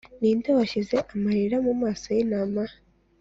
ninde washyize amarira mumaso yintama